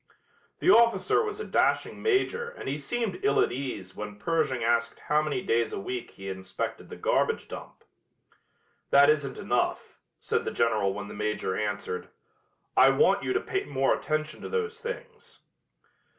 The officer was a dashing major and he seemed ill at ease when Pershing asked how many days a week he inspected the garbage dump. "That isn't enough," said the General when the major answered. "I want you to pay more attention to those things."